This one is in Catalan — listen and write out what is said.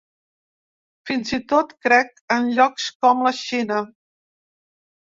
Fins i tot, crec, en llocs com la Xina.